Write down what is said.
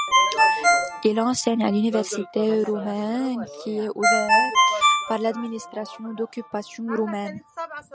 Il enseigne à l'université roumaine qui est ouverte par l'administration d'occupation roumaine.